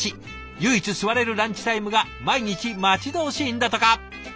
唯一座れるランチタイムが毎日待ち遠しいんだとか。